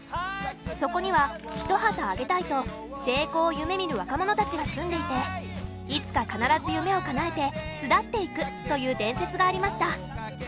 そこにはひと旗あげたいと成功を夢見る若者たちが住んでいていつか必ず夢をかなえて巣立っていくという伝説がありました